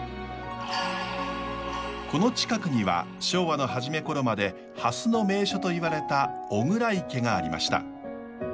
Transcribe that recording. この近くには昭和の初めころまでハスの名所といわれた巨椋池がありました。